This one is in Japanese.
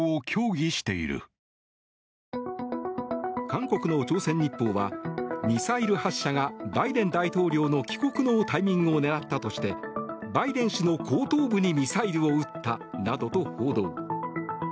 韓国の朝鮮日報はミサイル発射がバイデン大統領の帰国のタイミングを狙ったとしてバイデン氏の後頭部にミサイルを撃ったなどと報道。